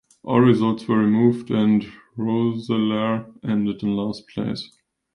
All results were removed and Roeselare ended in last place.